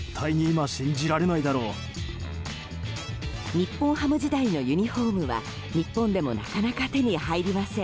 日本ハム時代のユニホームは日本でもなかなか手に入りません。